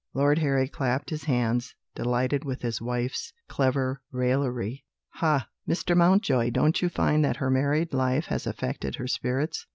Lord Harry clapped his hands, delighted with his wife's clever raillery: "Ha! Mr. Mountjoy, you don't find that her married life has affected her spirits!